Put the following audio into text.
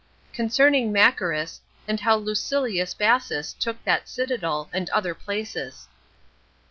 Concerning Machaerus, And How Lucilius Bassus Took That Citadel, And Other Places.